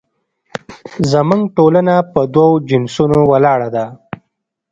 زموږ ټولنه په دوو جنسونو ولاړه ده